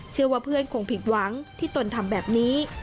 เชื่อว่าเพื่อนคงผิดหวังที่ตนทำแบบนี้